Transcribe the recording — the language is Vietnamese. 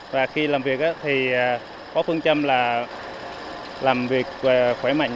và khi làm việc thì có phương châm là làm việc khỏe mạnh